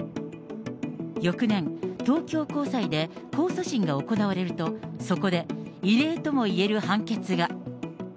翌年、東京高裁で控訴審が行われると、そこで、異例ともいえる判決が。